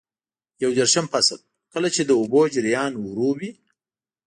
یو دېرشم فصل: کله چې د اوبو جریان ورو وي.